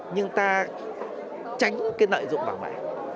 nhưng ta tránh cái nợi dụng vàng mã